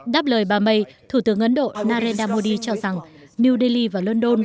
đáp lời bà may thủ tướng ấn độ narendra modi cho rằng new delhi và london